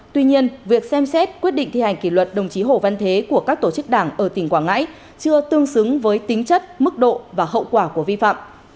tuy nhiên việc xem xét quyết định thi hành kỷ luật đồng chí hồ văn thế của các tổ chức đảng ở tỉnh quảng ngãi chưa tương xứng với tính chất mức độ và hậu quả của vi phạm